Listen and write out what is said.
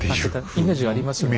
イメージありますね。